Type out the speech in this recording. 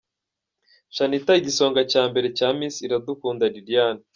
Shanitah igisonga cya mbere cya Miss Iradukunda Liliane.